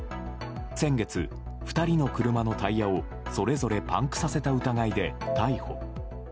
先月、２人の車のタイヤをそれぞれパンクさせた疑いで逮捕。